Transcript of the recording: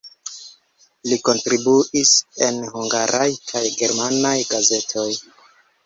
Li kontribuis en hungaraj kaj germanaj gazetoj.